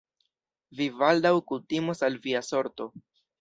Vi baldaŭ kutimos al via sorto...